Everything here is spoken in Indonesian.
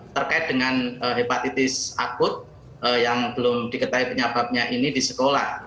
terkait dengan hepatitis akut yang belum diketahui penyebabnya ini di sekolah